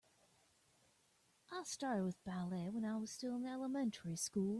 I started with ballet when I was still in elementary school.